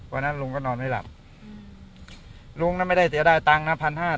วันนั้นลุงก็นอนไม่หลับลุงไม่ได้เสียได้ตังค์นะ๑๕๐๐บาท